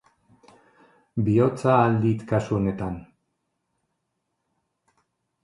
Bihotza ahal dit kasu honetan.